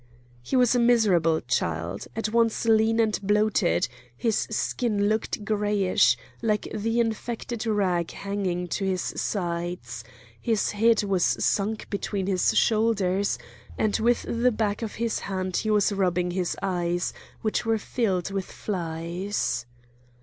He was a miserable child, at once lean and bloated; his skin looked greyish, like the infected rag hanging to his sides; his head was sunk between his shoulders, and with the back of his hand he was rubbing his eyes, which were filled with flies.